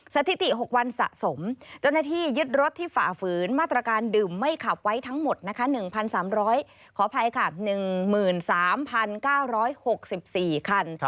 สถิติ๖วันสะสมเจ้าหน้าที่ยึดรถที่ฝ่าฝืนมาตรการดื่มไม่ขับไว้ทั้งหมดนะคะ๑๓๐๐ขออภัยค่ะ๑๓๙๖๔คัน